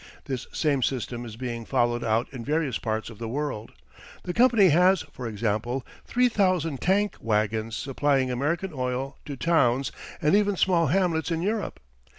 This same system is being followed out in various parts of the world. The company has, for example, three thousand tank wagons supplying American oil to towns and even small hamlets in Europe.